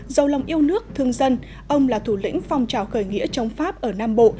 giàu lòng yêu nước thương dân ông là thủ lĩnh phong trào khởi nghĩa chống pháp ở nam bộ